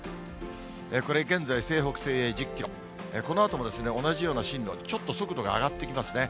これ、現在西北西へ１０キロ、このあとも同じような進路、ちょっと速度が上がってきますね。